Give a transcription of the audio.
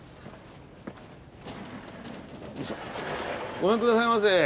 ごめん下さいませ。